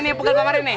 nih pukul pangarin nih